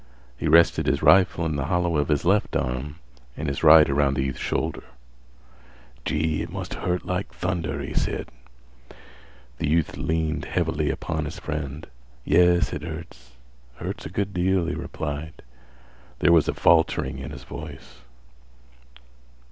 He rested his rifle in the hollow of his left arm and his right around the youth's shoulder. "Gee, it must hurt like thunder!" he said. The youth leaned heavily upon his friend. "Yes, it hurts—hurts a good deal," he replied. There was a faltering in his voice.